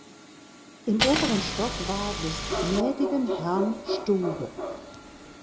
Im oberen Stock war „des gnädigen Herrn Stube“.